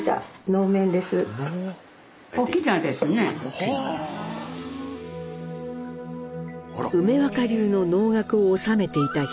これは梅若流の能楽を修めていた弘。